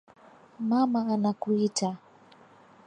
Mama anakuita